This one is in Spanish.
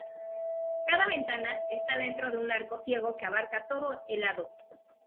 Cada ventana está dentro de un arco ciego que abarca todo el lado.